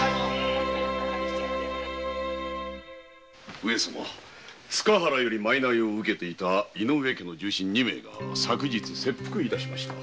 上様塚原より賂を受けていた井上家の重臣二名昨日切腹いたしました。